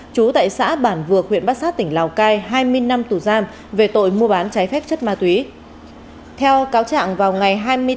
trú tại xã bản vược huyện bát sát tỉnh lào cai hai mươi năm tuổi